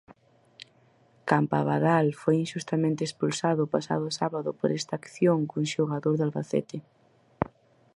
Campabadal foi inxustamente expulsado o pasado sábado por esta acción cun xogador do Albacete.